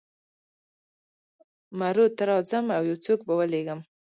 مرو ته راځم او یو څوک به ولېږم.